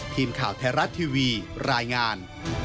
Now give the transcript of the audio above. ทีมข่าวไทยรัฐทีวีรายงาน